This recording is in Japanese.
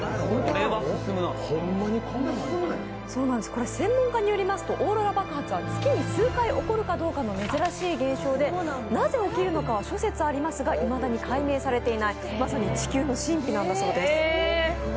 これ、専門家によりますとオーロラ爆発は月に数回起こるかどうかの珍しい現象でなぜ起きるのかは諸説ありますが、いまだに解明されていない、まさに地球の神秘なんだそうです。